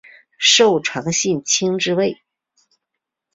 受长信卿之位。